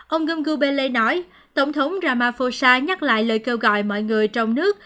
ông gumbela nói tổng thống kramafosa nhắc lại lời kêu gọi mọi người trong nước